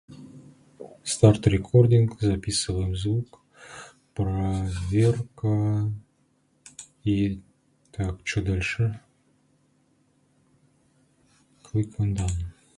The life of Nicias fell to his share.